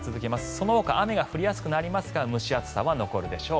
そのほか雨が降りやすくなりますが蒸し暑さは続くでしょう。